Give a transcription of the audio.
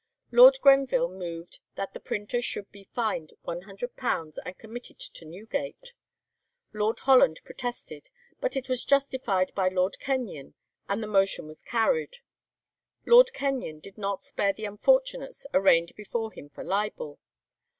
Lord Grenville moved that the printer should be fined £100 and committed to Newgate; Lord Holland protested, but it was justified by Lord Kenyon, and the motion was carried. Lord Kenyon did not spare the unfortunates arraigned before him for libel.